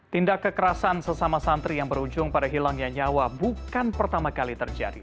tindak kekerasan sesama santri yang berujung pada hilangnya nyawa bukan pertama kali terjadi